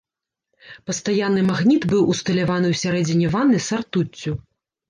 Пастаянны магніт быў усталяваны ў сярэдзіне ванны са ртуццю.